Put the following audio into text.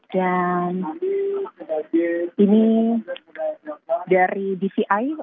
dan ini dari dci